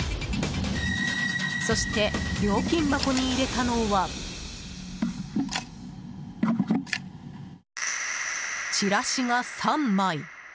そして、料金箱に入れたのはチラシが３枚。